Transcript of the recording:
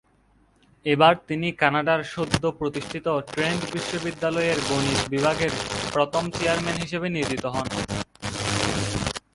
এবার তিনি কানাডার সদ্য প্রতিষ্ঠিত ট্রেন্ট বিশ্ববিদ্যালয়ের গণিত বিভাগের প্রথম চেয়ারম্যান হিসেবে নিয়োজিত হন।